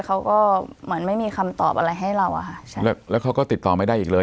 เขาก็เหมือนไม่มีคำตอบอะไรให้เราอะค่ะใช่แล้วแล้วเขาก็ติดต่อไม่ได้อีกเลย